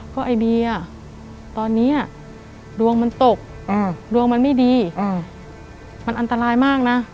เพราะไอเดียตอนนี้ดวงมันตกดวงมันไม่ดีมันอันตรายมากนะ